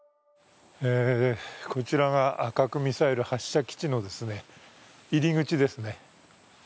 こちらが核ミサイル発射基地の入り口ですね。